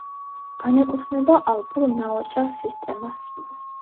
განეკუთვნება ალპურ ნაოჭა სისტემას.